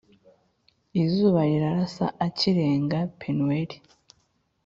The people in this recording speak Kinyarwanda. Izuba rirasa akirenga Penuweli